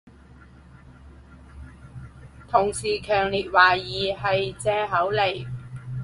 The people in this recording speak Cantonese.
同事強烈懷疑係藉口嚟